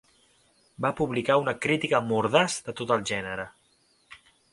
Va publicar una crítica mordaç de tot el gènere.